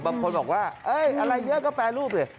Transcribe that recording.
บางคนบอกว่าอะไรเยอะก็แปรรูปดิ